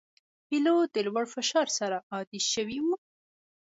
پیلوټ د لوړ فشار سره عادي شوی وي.